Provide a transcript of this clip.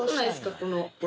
この。